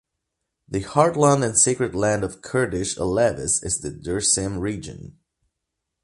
The heartland and sacred land of Kurdish Alevis is the Dersim region.